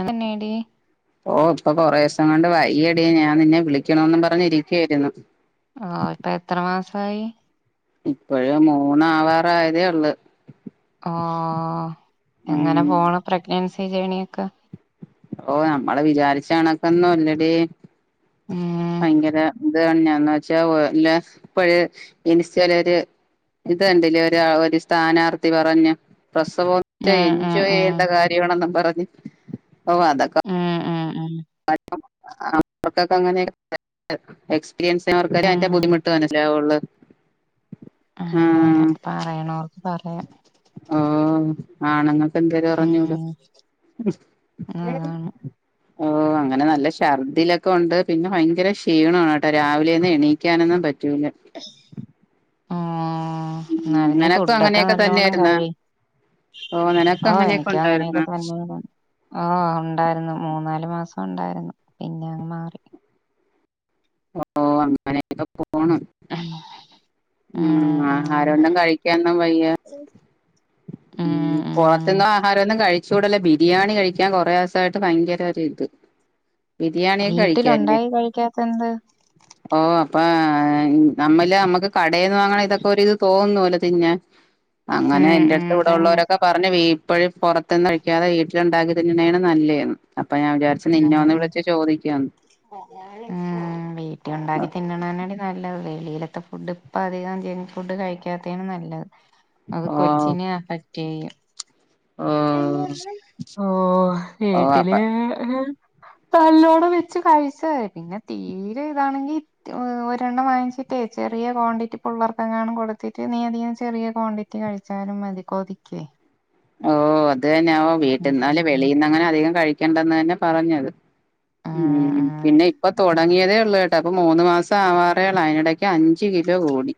അതെന്നേടി പ്പൊ കുറേ സം കൊണ്ട് വയ്യടി ഞാൻ നിന്നെ വിളിക്കണ വെന്നും പറഞ്ഞ് ഇരിക്കായിരുന്നു ആ ഇപ്പൊ എത്ര മാസായി ഇപ്പോഴ്‌ മൂന്നാവാറായതെ ഉള്ളൂ ഓ ഉം എങ്ങനെ പോണ പ്രഗ്നൻസി ജേണിയൊക്കെ ഓ നമ്മള് വിചാരിച്ച കണക്കന്നും അല്ലടി ഉം ഭയങ്കര ഇത് തന്ന എന്ന് വെച്ചാ ഇല്ല ഇപ്പഴ് ഇൻസ്റ്റേൽ ഒരു ഇത് കണ്ടില്ലേ ഒരു ഒരു സ്ഥാനാർത്ഥി പറഞ്ഞ പ്രസവൊക്കെ ഉം ഉം എൻജോയ് ഉം ചെയ്യേണ്ട കാര്യമാണെന്നും പറ [unintelligible] ഓഹ് അതൊക്ക ആഹ് [unintelligible] ആഹ് അവർക്കൊക്കെ അങ്ങനെ [unintelligible] ർക്കർതിന്റെ ബുദ്ധിമുട്ട് മനസിലാവുള്ളൂ ആ അതെന്നെ പറയണോർ പറയാ ആണ്ങ്ങൾ പ്പ ന്തെര് പറഞ്ഞൂടാ അതാണ് [unintelligible] ഓ അങ്ങനെ നല്ല ഛർദില ഒണ്ട് പിന്നെ ഭയങ്കര ക്ഷീണം ആണ് കേട്ടോ രാവിലെ ന്നും എണീക്കാനൊന്നും പ റ്റൂല ഉം എന്നാലു നീ ഫുഡൊക്കെ അങ്ങനെയൊക്കെ നല്ലോണം തന്നെയായിരുന്ന കഴി നിനക്കും ഓ അങ്ങനെയൊക്കെ എനിക്കും ഉണ്ടായിരുന്ന അങ്ങനൊക്കെ തന്ന ഓ ഉണ്ടായിരുന്നു മൂന്നാല് ഒരു മാസം ഒണ്ടായിരുന്നു പിന്നെ അങ്ങ് മാറി ഓ അങ്ങനെയൊക്കെ പോണം ഉം ആഹാരോന്നും കഴിക്കാനൊന്നും വയ്യ ഉം പുറത്ത്ന്ന് ആഹാരൊന്നും കഴിച്ചൂടല് ബിരിയാണി കഴിക്കാൻ കൊറെ ദിസായിട്ട് ഭയങ്കര ഒരു ഇത് ബിരിയാണിയൊക്കെ കഴിക്കാല്ലേ വീട്ടിലുണ്ടായി കഴിക്കാത്തെന്ത് ഓ അപ്പ നമ്മില് നമ്മുക്ക് കടേന്ന് വാങ്ങണ ഇതൊക്കെ ഒരുരിത് തോന്നൂല തിന്നാൻ അങ്ങനെ എ ഉം ഉം തന്നെ ഇവിടൊളേളാരൊക്കെ പറഞ്ഞ് വീ ഇപ്പഴ് പൊറത്ത്ന്ന് കഴിക്കാതെ വീട്ടിലുണ്ടാക്കി തിന്നണയാണ് നല്ലേന്ന്. ഞാൻ വിചാരിച്ചു നിന്നെ ഒന്ന് ആഹ്ആ വിളിച്ച് ചോദിക്കാന്ന് ആഹ് വീട്ടി ഒണ്ടാക്കി തിന്നണന്നാണ് നല്ലത്. വെളിയിലത്തെ ഫുഡ് ഇപ്പ അധികവും ജങ്ക് ഫുഡ് കഴിക്കാത്തയാണ് നല്ലത്. അത് ഓ കൊച്ചിനെ അഫക്ട് [unintelligible] ഓ ഓ ഓ അപ്പ വീട്ടില് ഏ നല്ലോണം വെച്ച് കഴിച്ചാതി. പിന്നെ തീരെ ഇതാണെങ്കി ഒരെണ്ണം വാങ്ങിച്ചിട്ടേ ചെറിയ ക്വാണ്ടിറ്റി പിള്ളേർക്കെങ്ങാനും കൊടുത്തിട്ട് നീ അധികം ചെറിയ ക്വാണ്ടിറ്റി കഴിച്ചാലും മതി കൊതിക്കേ. ഓ അത് അതെന്നാവും വീട്ടീന്നാല് ഉം ഉം വെളീന്ന് അങ്ങനെ അധികം കഴി ക്കണ്ടെന്ന് തന്നെ പറഞ്ഞത്. ഉം ആഹ് പിന്നെ ഇപ്പൊ തൊടങ്ങിയതേ ഒ ള്ളൂവേട്ടോ. അപ്പൊ മൂന്ന് മാസം ആവാറേള്ളൂ. അതിനിടയ്ക്ക് അഞ്ചു കിലോ കൂടി.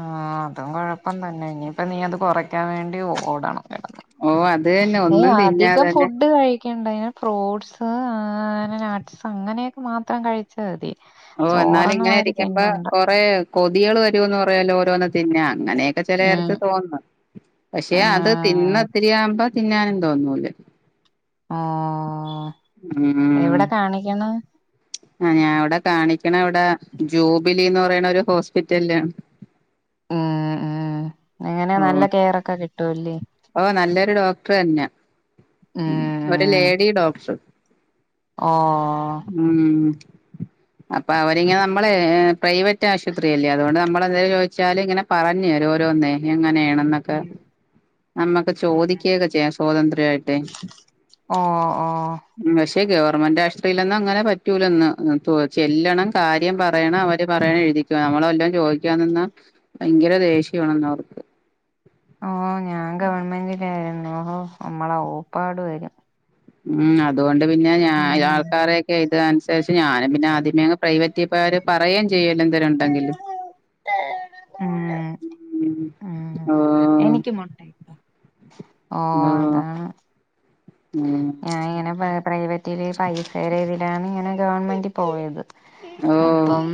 ആ അതും കൊഴപ്പം തന്നെ. ഇനിപ്പ നീ അത് കുറയ്ക്കാൻ വേണ്ടി ഓടണം. കേട്ടോ ഓ അത് തന്നെ. ഏ ഒന്നും തിന്നാതെ അധികം തന്നെ ഫുഡ് കഴിക്കണ്ട ഇങ്ങനെ ഫ്രൂട്ട്സ് ആ അങ്ങനെ നട്ട്സ് അങ്ങനെയൊക്കെ മാത്രം കഴിച്ചാതി. ഓ എന്നാല് ഇങ്ങനെ ഇരിക്കുമ്പോ കൊറേ കൊതികള് വ രൂന്നു പറയല്ലോ ഓരോന്ന് തിന്നാൻ. അങ്ങനെയൊക്കെ ചെല ഉം നേരത്ത് തോന്നുന്ന്. പക്ഷെ അത് തിന്ന് ഉം ഇത്തിരിയാവുമ്പോ തിന്നാനും തോന്നൂല ആ ഉം എവിടെ കാണിക്കണം ആ ഞാൻ അവിടെ കാണിക്കണവിടെ ജൂബിലിന്ന് പറയണൊരു ഹോസ്പിറ്റലിലാണ് ആ അങ്ങനെ ഓ നല്ല കെയറൊക്കെ കി ട്ടുല്ലേ ഇത് ഡോക്ടർ തന്യ ഒരു ഉം ലേഡി ഡോക്ടർ ഓ ഉം അപ്പൊ അവരിങ്ങനെ നമ്മളെ പ്രൈവറ്റ് ആശുപത്രി അല്ലേ അതുകൊണ്ട് നമ്മൾ എന്തായും ചോദിച്ചാലല് ഇങ്ങനെ പറഞ്ഞേരു ഓരോന്നേ അങ്ങനെയാണെന്നൊക്കെ ഉം നമ്മക്ക് ഉം ചോദിക്കുക്യോക്കെ ചെയ്യാ സ്വാതന്ത്ര്യട്ട് ഓ ഓ ഉം പക്ഷെ ഗവൺമെന്റ് ആശുപത്രിലൊന്നും അങ്ങനെ പറ്റൂലന്ന് ചെല്ലണം കാര്യം പറയണം അവര് പറയണം എഴുതിക്കുവ നമ്മളെല്ലാം ചോദിക്കാ നിന്നാ ഭയങ്കര ദേഷ്യവാണെന്ന് അവർക്ക് ഓ ഞാൻ ഗവൺമെന്റിലായിരുന്നു ഓ നമ്മള ഓപ്പാട് വരും ഉം അതുകൊണ്ട് പിന്നെ ഞാ ഉം ആൾക്കാരെയൊക്കെ ഇതനുസരിച്ച് ഞാനും പിന്നെ ആദ്യമേ പ്രൈവറ്റ് [unintelligible] അവര് പറയയും ചെയ്യല എന്തേരുും ഉണ്ടെങ്കില് ഉം ഉം ഉം ഓ എനിക്ക് മുട്ടായിട്ടോ ഓ അതാണ് ഉം ഞൻ ഇങ്ങനെ പ്രൈവറ്റില് പൈസരെ ഇതിലാണ് ഇങ്ങനെ ഗവൺമെന്റ് പോയത് ഓ അപ്പം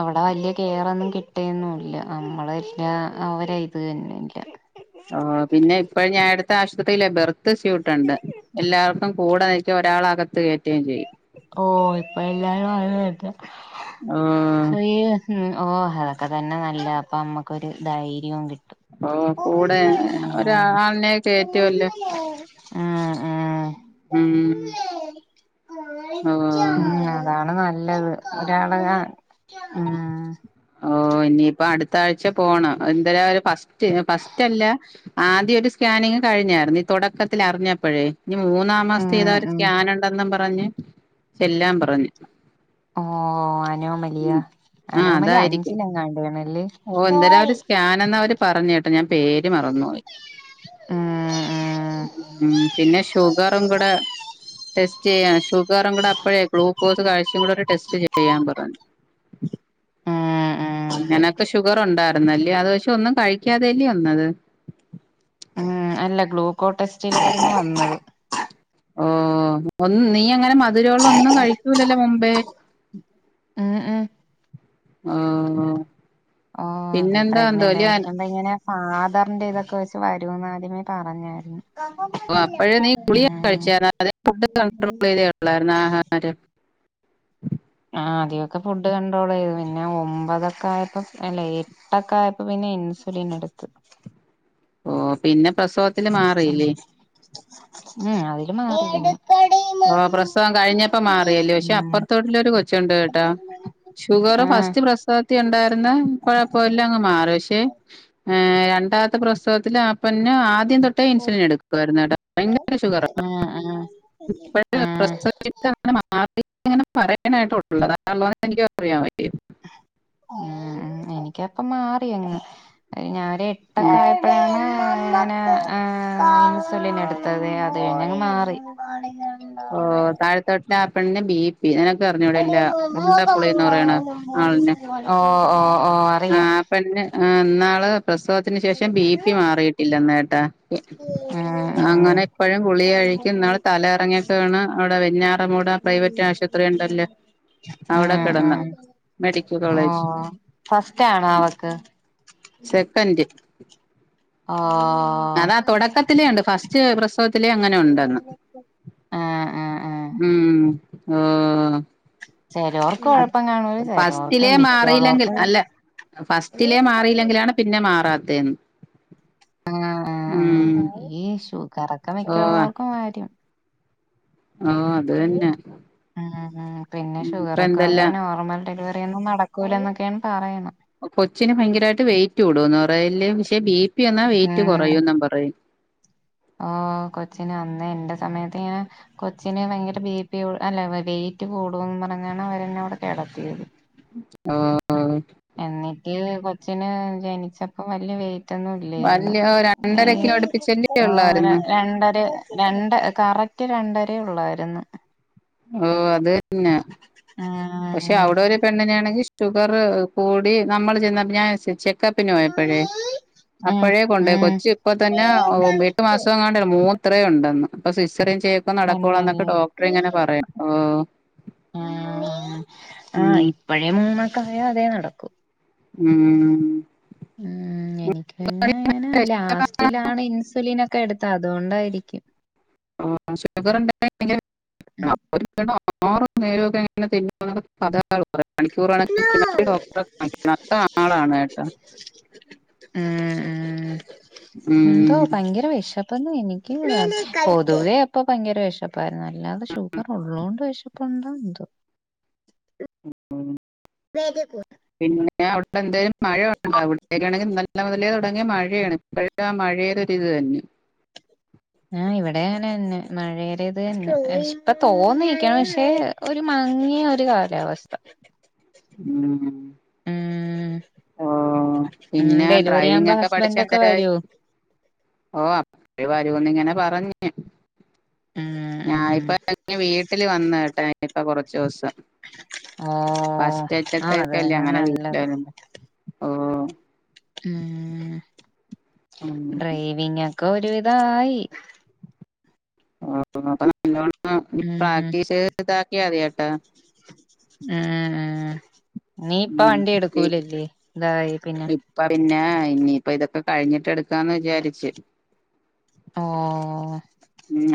അവ വലിയ കെയറൊന്നും കിട്ടിയൊന്നുംല്ല നമ്മള എല്ലാ അവര് ഇത് തന്നെയല്ല ഓ പിന്നെ ഇപ്പഴ ഞാൻ അടുത്ത ആശുപത്രിയിലേ ബെർ ത്ത് സ്യൂട്ടുണ്ട് എല്ലാവർക്കും കൂടെ നിക്ക ഒരാൾക ത്ത് കയറ്റുകയും ചെയ്യും ഓ ഇപ്പ എല്ലാരും [unintelligible] [unintelligible] ഉ ഓഹ് അതൊക്കെ തന്നെ നല്ല അപ്പൊ അമ്മുക്കൊരു ധൈര്യവും കിട്ടും ഓ കൂടെ ഉ ഉ ഒരാളിനെ കേറ്റുവല്ലോ ആ ഉം ഓ ഉം അതാണ് ന നല്ലത് ഒരാള മം ഓ ഇനിയിപ്പോ അടുത്ത ആഴ്ച പോണം എന്തേല ഒരു ഫസ്റ്റ് ഫസ്റ്റ് അല്ല ആദ്യോരു ഒരു സ്കാനിങ് കഴിഞ്ഞായിരുന്നു തുടക്കത്തിൽ അറിഞ്ഞപ്പോഴേ ഇനി മൂന്നാ ഉം മാസിയത്തെ ഏതാ ഒരു ഉം സ്കാൻ ഉണ്ടെന്നും പറഞ്ഞ് ചെല്ലാൻ പറഞ്ഞ് ഓ അനോമലിയ ആ അനോമലി അഞ്ച് അതായിരിക്കും പിന്നെങ്ങാണ്ട്ല്ലെ ഓ എന്തരാ ഒരു സ്കാനെന്ന് അവര് പറഞ്ഞ ഞാ പേര് മറന്നുപോയി ഉം ഉം മ്മ് പിന്നെ ഷുഗറും കൂടെ ടെസ്റ്റേയ്യാൻ ഷുഗറും കൂടെ അപ്പഴേ ഗ്ലൂക്കോസ് കഴ്ച്ചുകൂടെ ഒരു ടെസ്റ്റ് ചെയ്യാൻ പറ ഉം ഉം ഇങ്ങനൊക്കെ ഷുഗർ ഉണ്ടായിരുന്നല്ലേ അത് പക്ഷെ ഒന്നും കഴിക്കാതെല്ലേ വന്നത് ഉം അല്ല ഗ്ലൂക്കോ ടെസ്റ്റിലെ വന്നത് ഓ ഒന്ന് നീ അങ്ങന മ അതിലൊള്ള ഒന്നും കഴിക്കൂലല്ല മുൻ ബെ ആ എ ആ ഓ അതെ പ്രെഗ്നന്റ് ആയിരിക്കുമ്പ ഇങ്ങന ആധറിന്റെ ഇതൊക്കെ വെച്ച് വരൂന്ന് ആദ്യമേ പറഞ്ഞായിരുന്നു ഓ അപ്പഴ് നീ പുളിയൊ ഉം [unintelligible] ആ ആദ്യക്കൊ ഫുഡ് കണ്ട്രോൾ ചെയ്ത് പിന്നെ ഒമ്പതൊക്കെ ആയപ്പ അല്ല എട്ടൊക്കെ ആയപ്പപ്പിന്നെ ഇൻസുലിൻ എടുത്ത് ആ പിന്ന പ്രസവത്തില് മാറീല്ലേ ഉം അതിലു മാറി ഓ പ്രസവം കഴിഞ്ഞപ്പ മാറിയല്ല്യോ പക്ഷെ ഉം അപ്രത്തോട്ടിലൊരു കൊച്ചുണ്ട് കേട്ടോ ഷുഗർ ആഹ് ഫസ്റ്റ് പ്രസവത്തി ഉണ്ടായിരുന്ന് കുഴപ്പില്ല അങ്ങ് മാറി പക്ഷേ ഏഹ് രണ്ടാമത്തെ പ്രസ [unintelligible] ആപ്പന്നെ ആ ആദ്യം തൊട്ടേ ഇൻസുലിൻ എടുക്കുമായിരുന്നു കേട്ടോ ഭയങ്കര ഷുഗറാ ആഹ് ആഹ് ഇപ്പോഴ പ്രസ ആഹ് [unintelligible] [unintelligible] ഉം ഉം എനിക്കപ്പ മാ [inaudible] ഞാനൊരു ഉം എട്ട [inaudible] [inaudible] ഇൻസുലിൻ എടുത്തത് അത് കഴിഞ്ഞങ്ങ് മാറി ഓ താഴത്തോ [unintelligible] ബീം പി നിനക്ക് അറിഞ്ഞൂടെ ഇല്ല ഉണ്ടപ്പുളീന്ന് പറയണ ആളിനെ ഓ ആ പിന്നെ ആ എന്നാ ആ പ്രസവത്തിന് ശേഷം ബി പി മാറിയിട്ടില്ലന്ന് ട്ടാ ഉം ഉം അങ്ങനെ ഇപ്പഴും ഗുളിക കഴിക്കും ഇന്നാളിൽ തലയറങ്ങിയൊക്കെ വീണ് അവിടെ വെഞ്ഞാറമൂട് ആ പ്രൈവറ്റ് ആശുപത്രി ഉണ്ടല്ലോ അവിടെ ഉം കെടന്ന് ഉം മെഡിക്കൽ ഓ കോളേജ് ഫസ്റ്റ് ആണോ അവക്ക് സെക്കൻ്റ് ഉ [inaudible] ഓ അതാ തൊടക്കത്തിലേ ഒണ്ട്. ഫസ്റ്റ് പ്രസവത്തിലെ അങ്ങനെ ഒണ്ടെന്ന് ആഹ് ആഹ് ആഹ് ഉം ആഹ് ചെലോർക്ക് അത് കൊഴപ്പം കാണൂല ചെലോർക്ക് ഫസ്റ്റിലേ മാറിയില്ലെങ്കിൽ മിക്കോള്ളോർക്കും അല്ല ഫസ്റ്റിലേ മാറില്ലെങ്കിലാണ് പിന്നെ മാറത്തെ എന്ന് ഉം കറക്ക ഓ മിക്കുള്ളവർക്കും വരും. ഓ അത് ഉം തന്നെ ഉം പിന്നെ ഇപ്പ ഷുഗർ ഒകെ വന്ന് എന്തെല്ലാം നോർമൽ ഡെലിവറി നെയമം നടക്കൂലന്നൊക്കെയാണ് പറയുന്നേ. കൊച്ചിന് ഭയങ്കരമായിട്ട് വെയിറ്റ് കൂടന്ന് പറയും അല്ലിയോ പക്ഷെ ബി പ്പിയെന്നാ വെയിറ്റ് കൊറയുന്നും പറയുന്നു. ആഹ് കൊച്ചിനെ അന്നേ എന്റെ സമയത്ത് ഞാൻ കൊച്ചിന് ഭയങ്കര ബി പി കൂ അല്ല വെയിറ്റ് കൂടൂന്ന് പറഞ്ഞാണ് അവര എന്നെ അവിടെ കിടത്തിയത്. ഓ ഓ എന്നിട്ട് കൊച്ചിന് ജനിച്ചപ്പോ വല്യ വെയി റ്റൊന്നും ഇല്ലായിരുന്നു. വല്യ രണ്ടര ഏയ് കിലോ അടുപ്പിച്ചല്ലേ ആഹ് ഉള്ളായിരുന്നു രണ്ടര രണ്ട് കറക് റ്റ് രണ്ടരേ ഉള്ളാരുന്നു. ഓ അതന്നെ പക്ഷെ ഉം അവിടെ ഒരു പെണ്ണിന് ആണെങ്കി ഷുഗർ കൂടി നമ്മൾ ചെന്ന ഞാൻ ചെക് കപ്പിനുപോയപ്പോഴേ ഉം അപ്പഴേ കൊണ്ട് പോയി ഉം കൊച്ചി ഇപ്പ തന്നെ എട്ട് മാസം എങ്ങാണ്ടല്ല മൂ ഇത്രേ ഒണ്ടെന്ന് അപ്പൊ സിസ് ഇത്രേം ചെയ്യക്കോ നടക്കോളന്നൊക്കെ തന്നെയല്ലേ ഡോക്ടറിങ്ങനെ ഓഹ് ആഹ് ആ ആഹ് ഇപ്പഴേ മൂമ [unintelligible] അതേ നടക്കൂ. ഉം ഉം പിന്നെ അങ്ങനെ ലാസ്റ്റിലാണ് ഇൻസുലിൻ ഒ ക്കെ എടുത്താ അതുകൊണ്ടായി ഷുഗർക്ഷ ഉം [unintelligible] ഓറ നേരമൊക്കെ എങ്ങനെ തെന്ന [unintelligible] [inaudible] മണിക്കൂറണെിൽ അ ആളാണ് ഏട്ടാ [unintelligible] ഉം എന്തോ ഭയങ്കര വേഷമം ഇപ്പോങ്ങും [unintelligible] എനിക്ക് പൊതുവേ അപ്പൊ ഭയങ്കര വിഷമം ഇപ്പ നല്ലാതെഷുഗർ ഉള്ളതുകൊണ്ട് പക്ഷേ [unintelligible] കോണ്ടോന്തോ ആ [inaudible] [unintelligible] വേഗകോ പിന്നെ അവിടെ എന്തായാലും മഴണ്ട പിന്നെ ഇവിടത്തേക്കാണെങ്കിൽ നല്ല മുതലേ തുടങ്ങി മഴയാണ് ഇപ്പോഴും ആ മഴയേതൊരിത് തന്നെ ആ ഇവിടെ അങ്ങനെതന്നെ മഴേടെ ഇത് തന്നെ [unintelligible] തോന്നു നിക്കാണ് പക്ഷെ ഒരു മങ്ങിയ ഒരു കാലാവസ്ഥ [inaudible] ഉം [inaudible] [unintelligible] ഉം ഓ ഉം പിന്നെ ഡെലിവറി ഡ്രൈവിംഗ് ആവുമ്പോ ഒക്കെ പഠിച്ച് ഹസ്ബൻഡ് ഒക്കെ എന്തരായി വരോ ഓ [unintelligible] ഇങ്ങനെ പറഞ്ഞേ ഉം [inaudible] ഉം ഞാനിപ്പോ വീട്ടില് വന്ന കേട്ടാ [inaudible] [unintelligible] ഇ കുറച്ച ദിവസം ഓഹ് ആഹ് അത് ഫസ്റ്റേറ്റിലത്തക്കല്ലേ തന്നെ അങ്ങനെ നല്ലത് വീട്ടേരെ ഓ ഉംമ്മ് [inaudible] [unintelligible] ഉം ഡ്രൈവിംഗ ഒക്ക [unintelligible] ഒരുവിധമായി ആ [unintelligible] ആ ഉം ഉം പ്രാക്ടീസ് ഇതാക്കി അറിയട്ടാ [unintelligible] മ്മ് [inaudible] ഉ ഇതായി പിന്നെ ഇപ്പ പിന്നെ ഇനിയിപ്പ ഇതൊക്കെ കഴിഞ്ഞിട്ടടുക്ക് [inaudible] ക്കന്ന് വിചാരിച്ച് ഓഹ്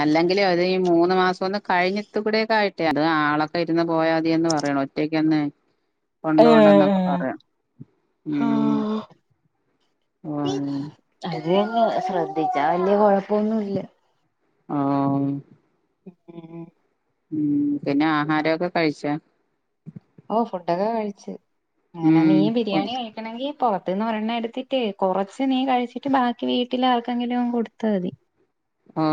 അല്ലെങ്കിലേ [unintelligible] അത് മൂന്ന് മാസം ഒന്ന് കഴിഞ്ഞിട്ട കൂടെയൊക്കായിട്ടേ അത് ആളൊക്കെ ഇരുന്ന് പോയാ മതി എന്ന് പറയണം ഒറ്റയ്ക്കങ്ങു അത് കൊണ്ടൊണ്ടന്നൊക്കെ പറയണം ഉം ആ [unintelligible] [unintelligible] അ ശ്രദ്ധിച്ചാ വലിയ കുഴപ്പൊന്നുമല്ല ആ ഉം [unintelligible] ഉം പിന്നെ ആഹാരമൊക്കെ കഴിച്ച [inaudible] ഓ ഫുഡൊക്കെ കഴിച്ച് അങ്ങനെ ഉം നീ ഓ ബിരിയാണി കഴിക്കണോങ്കിൽ പോറത്തിന്ന് ഒരെണ്ണം എടുത്തിട്ടേ കൊറച്ച് നീ കഴിച്ചിട്ട് ബാക്കി വീട്ടില് ആർക്കെങ്കിലും കൊടുത്താ മതി ആ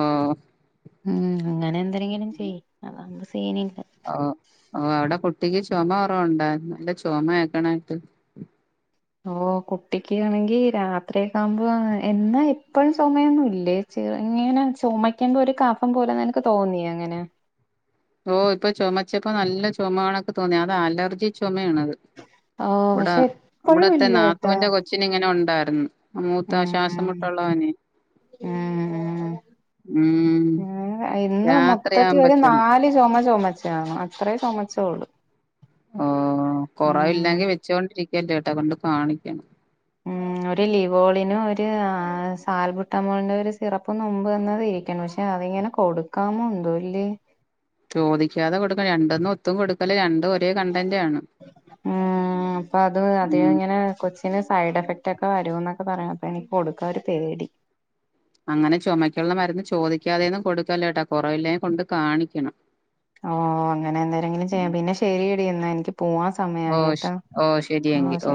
മ് അങ്ങനെ എന്തെ എങ്ങനെയും ചെയ് സീനിൽ ഓ ആ അവിടെ കുട്ടിക്ക് ചുമ കുറവുണ്ട നല്ല ചൊമ കേക്കണകേട്ട് ഓ കുട്ടിക്ക്യണെങ്കി രാത്രി ആകുമ്പോ എന്നാ എപ്പഴും ചുമയൊന്നും ഇല്ലേ ചെറ്ങ്ങനെ ചുമയ്ക്കുമ്പോ ഒരു കഫം പോല നിനക്ക് തോന്നിയങ്ങനെ ഓ ഇപ്പൊ ചൊമച്ചപ്പോ നല്ല ചൊമകണക്ക് തോന്നി അത് അലർജി ചൊമയാണത് ഓഹ് പക്ഷെ എപ്പഴും ഇല്ലട്ടാ നാത്തൂന്റെ കൊച്ചിന് [unintelligible] മൂത്ത ശ്വാസംമുട്ടുള്ളവനെ ഉം മ് ഉം രാത്രി ആവുമ്പചൊമ ചൊമച്ചണ് അത്രേ ചൊമച്ചുള്ളൂ ഓ കൊറവില്ലങ്കി വെച്ചോണ്ടിരിക്കല്ല് ട്ടാ കാണിക്കണം മ് ഒരു ലിവോളിനും ഒരു സാൽബുട്ടമോളിന്റെ ഒരു സിറപ്പും നുമ്പ് തന്നത് ഇരിക്കണ് പക്ഷെ അതിങ്ങനെ കൊടുക്കാമോ ന്തോ ല്ലേ ചോദിക്കാതെ കൊടുക്കണം രണ്ടന്നും ഒത്തും കൊടുക് [unintelligible] ഇപ്പല രണ്ടും ഒരേ കണ്ടന്റ് ആണ് ഉം അപ്പൊ അത് അത് മ് ഇങ്ങനെ കൊച്ചിന് സൈഡ് എഫക്റ്റ് ഒക്കെ വരൂന്നൊക്കെ പറയും അപ്പൊ എനിക്ക് കൊടുക്കാൻ ഒരു പേടി അതിന്ന് കൊടുക്കല്ലെ ട്ടാ കുറവില്ലെ കൊണ്ട് കാണിക്കണം ഓ അങ്ങനെ എന്തേരെങ്കിലും ചെയ്യാം പിന്നെ ശെരിയെടി എന്ന എന്ക്ക് ഓ ഓ ശരിയങ്കി ഓ